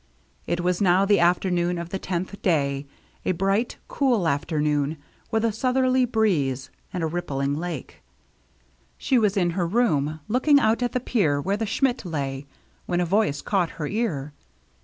It was now the after noon of the tenth day, a bright, cool afternoon with a southerly breeze and a rippling lake. She was in her room, looking out at the pier, where the Schmidt lay, when a voice caught her ear.